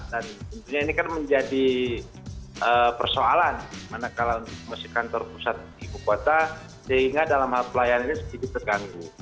dan ini kan menjadi persoalan manakala masih kantor pusat ibu kota sehingga dalam hal pelayanan ini sejujurnya terganggu